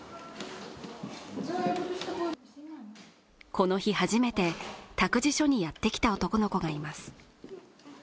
この日初めて託児所にやってきた男の子がいます